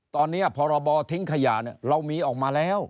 ตอนนี้พรบทิ้งขยะเรามีออกมาแล้ว